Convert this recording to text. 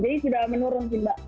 jadi sudah menurun sih mbak